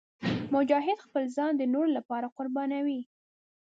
مجاهد خپل ځان د نورو لپاره قربانوي.